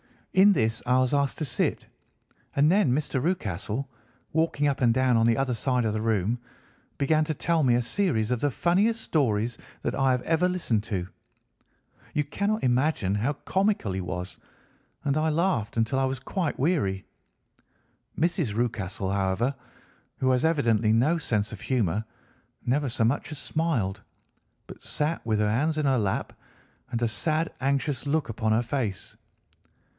In this I was asked to sit, and then Mr. Rucastle, walking up and down on the other side of the room, began to tell me a series of the funniest stories that I have ever listened to. You cannot imagine how comical he was, and I laughed until I was quite weary. Mrs. Rucastle, however, who has evidently no sense of humour, never so much as smiled, but sat with her hands in her lap, and a sad, anxious look upon her face.